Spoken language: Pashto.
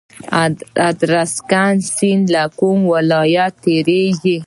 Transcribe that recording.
ادرسکن سیند له کوم ولایت تیریږي؟